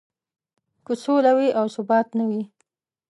که سوله وي او ثبات نه وي.